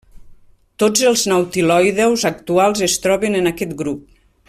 Tots els nautiloïdeus actuals es troben en aquest grup.